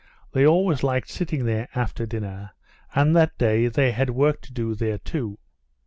They always liked sitting there after dinner, and that day they had work to do there too.